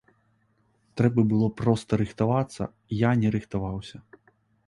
Трэба было проста рыхтавацца, я не рыхтаваўся.